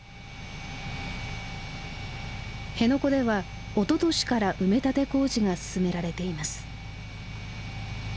辺野古ではおととしから埋め立て工事が進められています。